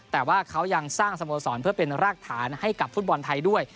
แต่ว่าเขายังสร้างสโมสรเพื่อเป็นรากฐานให้กับฟุตบอลไทยด้วย